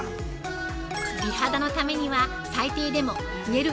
美肌のためには最低でも寝る